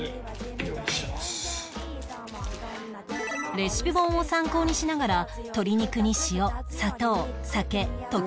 レシピ本を参考にしながら鶏肉に塩砂糖酒溶き卵を入れ